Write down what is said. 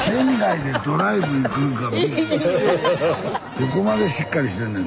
どこまでしっかりしてんねん。